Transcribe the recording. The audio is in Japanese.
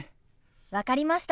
分かりました。